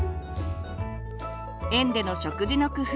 園での食事の工夫